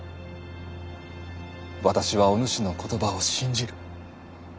私はおぬしの言葉を信じる。